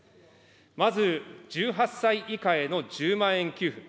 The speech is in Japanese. まず１８歳以下への１０万円給付。